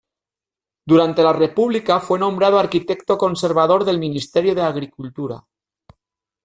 Durante la República fue nombrado Arquitecto Conservador del Ministerio de Agricultura.